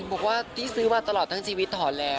บอกว่าที่ซื้อมาตลอดทั้งชีวิตถอนแล้ว